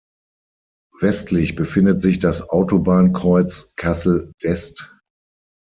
Westlich befindet sich das Autobahnkreuz Kassel-West.